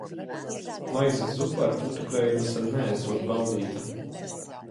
Maizes zupa ar putukrējumu sen neesot baudīta.